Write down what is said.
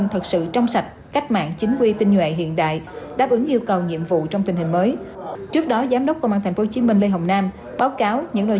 thật sự trong sạch cách mạng chính quy tinh nhuệ hiện đại đáp ứng yêu cầu nhiệm vụ trong tình hình mới